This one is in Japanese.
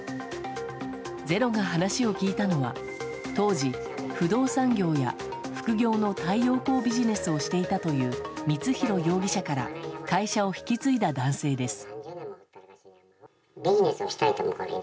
「ｚｅｒｏ」が話を聞いたのは当時、不動産業や副業の太陽光ビジネスをしていたという光弘容疑者から会社を引き継いだ男性です。